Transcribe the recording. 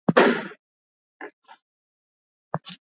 nzuri zilizopo katika maisha na mafundisho yao pia Wakristo kwa jumla